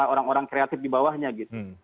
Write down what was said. orang orang kreatif dibawahnya gitu